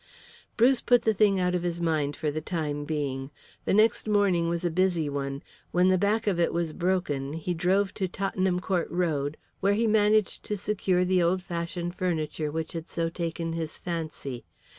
Bruce put the thing out of his mind for the time being. The next morning was a busy one. When the back of it was broken he drove to Tottenham Court Road, where he managed to secure the old fashioned furniture which had so taken his fancy.